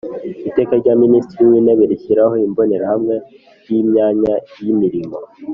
Iteka rya Minisitiri w Intebe rishyiraho imbonerahamwe y imyanya yimirimo